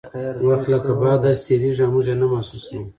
وخت لکه باد داسې تیریږي او موږ یې نه محسوسوو.